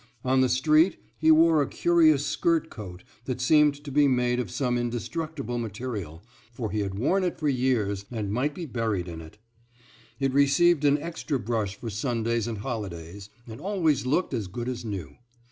On the street he wore a curious skirt coat that seemed to be made of some indestructible material, for he had worn it for years, and might be buried in it. It received an extra brush for Sundays and holidays, and always looked as good as new.